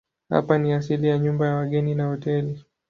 Hapa ni asili ya nyumba ya wageni na hoteli.